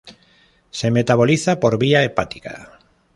Se metaboliza por vía hepática.